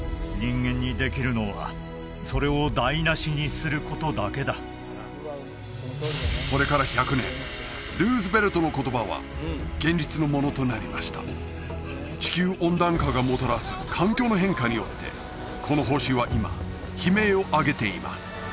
さらにこう続けたのですそれから１００年ルーズベルトの言葉は現実のものとなりました地球温暖化がもたらす環境の変化によってこの星は今悲鳴を上げています